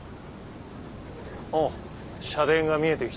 あっ社殿が見えてきた。